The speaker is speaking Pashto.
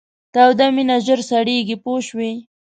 توده مینه ژر سړیږي پوه شوې!.